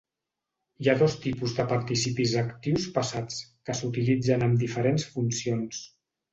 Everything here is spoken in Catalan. Hi ha dos tipus de participis actius passats, que s'utilitzen amb diferents funcions.